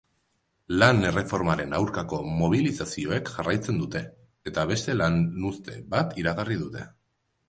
Lan-erreformaren aurkako mobilizazioek jarraitzen dute, eta beste lanuzte bat iragarri dute.